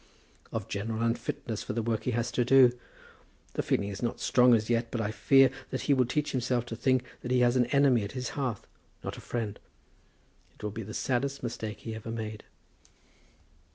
"Of general unfitness for the work he has to do. The feeling is not strong as yet, but I fear that he will teach himself to think that he has an enemy at his hearth, not a friend. It will be the saddest mistake he ever made."